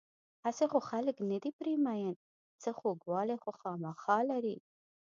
هسې خو خلک نه دي پرې مین، څه خوږوالی خو خوامخا لري.